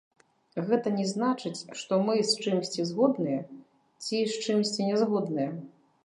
Гэта не значыць, што мы з чымсьці згодныя ці з чымсьці нязгодныя.